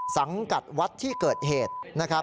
สังกัดวัดที่เกิดเหตุ